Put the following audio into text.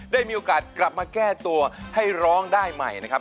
ได้มีโอกาสกลับมาแก้ตัวให้ร้องได้ใหม่นะครับ